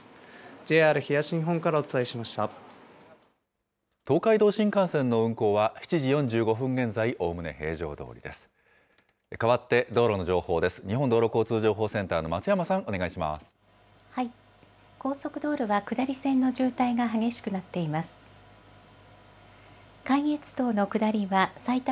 ＪＲ東日本からお伝えしました。